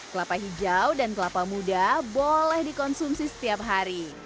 kelapa hijau dan kelapa muda boleh dikonsumsi setiap hari